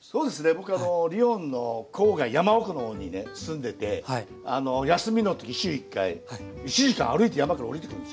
僕リヨンの郊外山奥の方にね住んでて休みの時週１回１時間歩いて山から下りてくるんですよ。